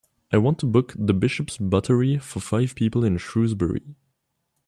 I want to book The Bishops Buttery for five people in Shrewsbury.